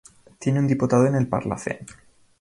Tiene un diputado en el Parlacen.